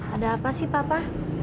ada apa sih papa